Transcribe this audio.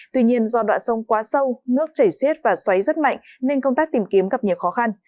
tuy nhiên do đoạn sông quá sâu nước chảy xiết và xoáy rất mạnh nên công tác tìm kiếm gặp nhiều khó khăn